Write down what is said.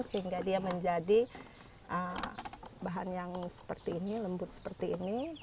sehingga dia menjadi bahan yang seperti ini lembut seperti ini